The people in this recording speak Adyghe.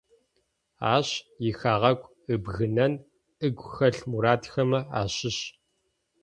Ащ ихэгъэгу ыбгынэн ыгу хэлъ мурадхэмэ ащыщ.